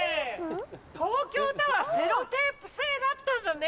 東京タワーセロテープ製だったんだね